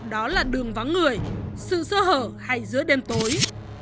đó là đường vắng người sự sơ hở hay giữa đêm tối